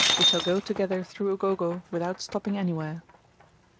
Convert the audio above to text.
we shall go together through Ugogo without stopping anywhere."